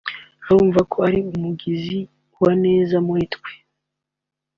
urumva ko ari umugizi wa neza muri twe